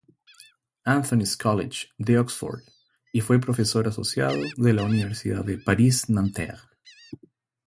Anthony´s College de Oxford y fue profesor asociado de la Universidad de París-Nanterre.